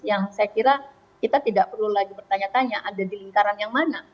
yang saya kira kita tidak perlu lagi bertanya tanya ada di lingkaran yang mana